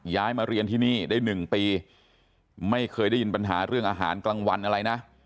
มาเรียนที่นี่ได้๑ปีไม่เคยได้ยินปัญหาเรื่องอาหารกลางวันอะไรนะ